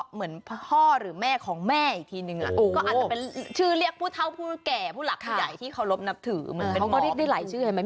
เหมือนพ่อหรือแม่ของแม่อีกทีหนึ่งชื่อเรียกผู้เท่าผู้แก่ผู้หลักผู้ใหญ่ที่เคารพนับถือเหมือนมอบ